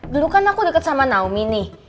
dulu kan aku dekat sama naomi nih